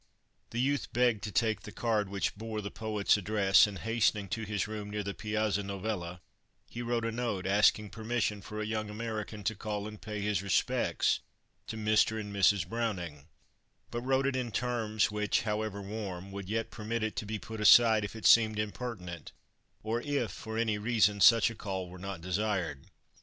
The youth begged to take the card which bore the poet's address, and, hastening to his room near the Piazza Novella, he wrote a note asking permission for a young American to call and pay his respects to Mr. and Mrs. Browning, but wrote it in terms which, however warm, would yet permit it to be put aside if it seemed impertinent, or if, for any reason, such a call were not desired.